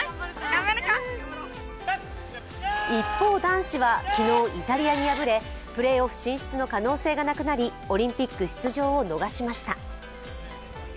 一方男子は、昨日イタリアに敗れプレーオフ進出の可能性がなくなりオリンピック出場を逃しました。